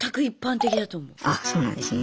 あそうなんですね。